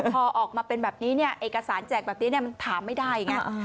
พอออกมาเป็นแบบนี้เนี่ยเอกสารแจกแบบนี้มันถามไม่ได้ไง